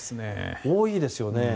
多いですよね。